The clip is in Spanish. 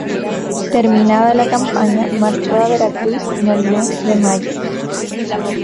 Terminada la campaña, marchó a Veracruz en el mes de mayo.